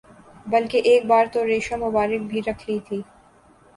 بلکہ ایک بار تو ریشہ مبارک بھی رکھ لی تھی